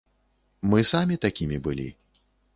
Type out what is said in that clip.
Мы самі такімі былі.